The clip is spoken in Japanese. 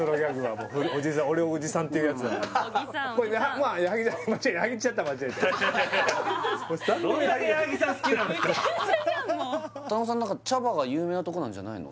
もう田中さん何か茶葉が有名なとこなんじゃないの？